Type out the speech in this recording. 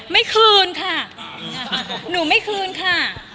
ไม่คืนค่ะหนูไม่คืนค่ะ